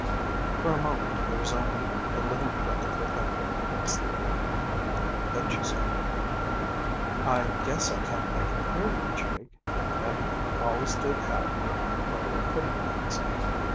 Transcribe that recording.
For a moment there was only the little click of her thimble against the needle. Then she said, 'I guess I can't make it clear to you, Jake. Minnie always did have her own way of putting things.